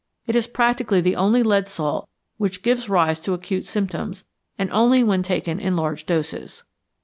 It is practically the only lead salt which gives rise to acute symptoms, and only when taken in large doses.